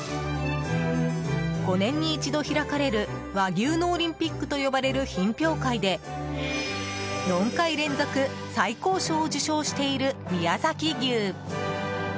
５年に１度開かれる和牛のオリンピックと呼ばれる品評会で４回連続、最高賞を受賞している宮崎牛。